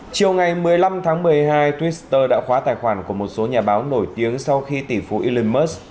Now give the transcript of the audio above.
chiều ngày một mươi năm tháng một mươi hai twitter đã khóa tài khoản của một số nhà báo nổi tiếng sau khi tỷ phú elon musk